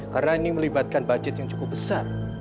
karena ini melibatkan budget yang cukup besar